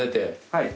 はい。